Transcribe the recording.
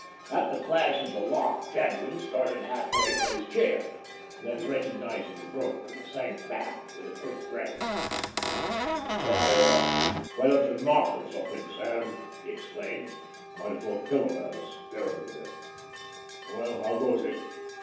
At the clash of the lock Jadwin started half way from his chair, then recognising the broker, sank back with a quick breath. "Why don't you knock, or something, Sam?" he exclaimed. "Might as well kill a man as scare him to death. Well, how goes it?"